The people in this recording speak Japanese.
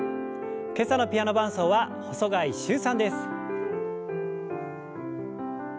今朝のピアノ伴奏は細貝柊さんです。